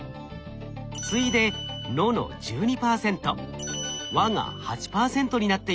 次いで「の」の１２％「は」が８％になっています。